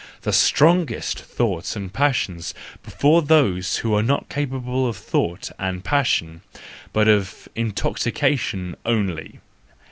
The strongest thoughts and passions before those who are not capable of thought and passion—but of intoxication only!